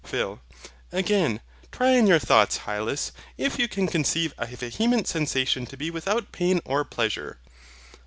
PHIL. Again, try in your thoughts, Hylas, if you can conceive a vehement sensation to be without pain or pleasure.